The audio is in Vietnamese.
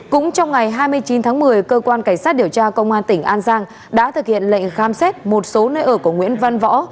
cũng trong ngày hai mươi chín tháng một mươi cơ quan cảnh sát điều tra công an tỉnh an giang đã thực hiện lệnh khám xét một số nơi ở của nguyễn văn võ